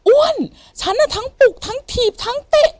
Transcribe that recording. อ้วนฉันอ่ะทั้งปลุกทั้งถีบทั้งเตะ